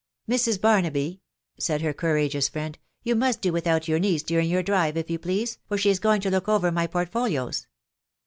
Mrs. Barnaby," said her courageous fnend, " you must d 3 without your niece during your drive, if you jdeaae, JEbrabe ia going to look over my portfolios."